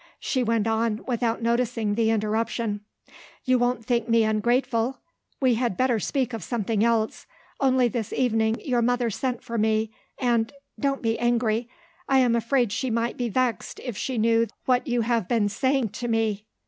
She went on, without noticing the interruption. "You won't think me ungrateful? We had better speak of something else. Only this evening, your mother sent for me, and don't be angry! I am afraid she might be vexed if she knew what you have been saying to me.